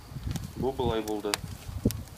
Бу болай булды.